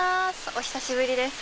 お久しぶりです